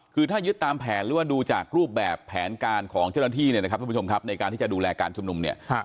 คือถ้ายึดตามแผนหรือว่าดูจากรูปแบบแผนการของเจ้าหน้าที่เนี่ยนะครับทุกผู้ชมครับในการที่จะดูแลการชุมนุมเนี่ย